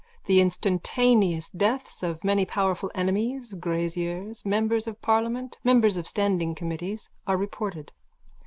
The instantaneous deaths of many powerful enemies, graziers, members of parliament, members of standing committees, are reported.